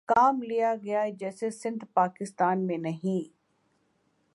کام لیا گیا جیسے سندھ پاکستان میں نہیں